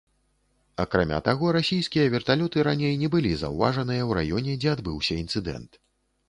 Акрамя таго, расійскія верталёты раней не былі заўважаныя ў раёне, дзе адбыўся інцыдэнт.